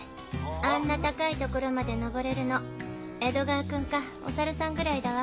あんな高い所まで登れるの江戸川くんかおサルさんぐらいだわ。